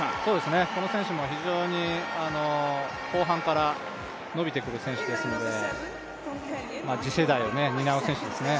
この選手も非常に後半から伸びてくる選手ですので、次世代を担う選手ですね。